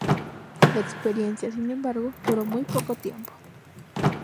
La experiencia, sin embargo, duró muy poco tiempo.